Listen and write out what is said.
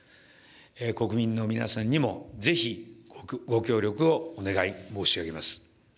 国民の皆さんにもぜひ、ご協力をお願い申し上げます。